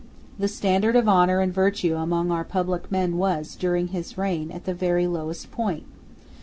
The standard of honour and virtue among our public men was, during his reign, at the very lowest point.